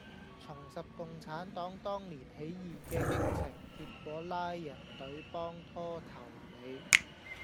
重拾共產黨當年起義既激情，結果拉人隊幫拖投你